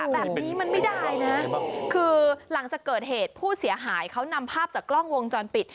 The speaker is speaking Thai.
แบบนี้มันไม่ได้นะคือหลังจากเกิดเหตุผู้เสียหายเขานำภาพจากกล้องวงจรปิด